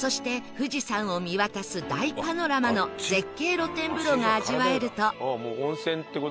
富士山を見渡す大パノラマの絶景露天風呂が味わえると